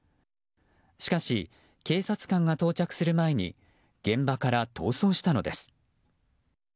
しかし警察官が到着する前に現場から逃走したのです。